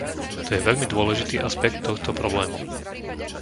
To je veľmi dôležitý aspekt tohto problému.